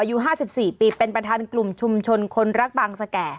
อายุ๕๔ปีเป็นประธานกลุ่มชุมชนคนรักบางสแก่